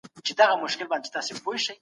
تاسو باید د تاریخ تېر شوي مواد ونه پېرئ.